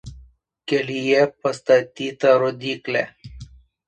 Kelyje pastatyta rodyklė.